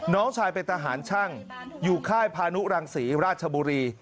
น้องชายเป็นทหารช่างอยู่ค่ายพานุรังศรีราชบุรี